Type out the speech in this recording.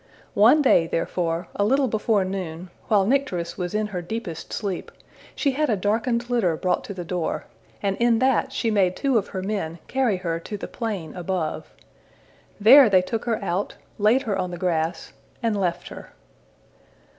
One day, therefore, a little before noon, while Nycteris was in her deepest sleep, she had a darkened litter brought to the door, and in that she made two of her men carry her to the plain above. There they took her out, laid her on the grass, and left her.